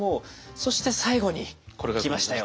そして最後に来ましたよ。